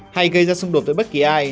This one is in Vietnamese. hay gây ra xung đột với bất kỳ ai